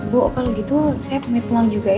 bu kalau gitu saya pamit pulang juga ya